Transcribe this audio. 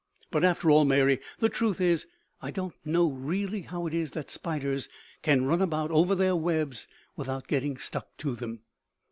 But after all, Mary, the truth is, I don't know really how it is that spiders can run about over their webs without getting stuck to them."